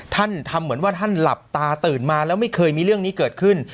ท่านทำเหมือนว่าท่านหลับตาตื่นมาแล้วไม่เคยมีเรื่องนี้เกิดขึ้น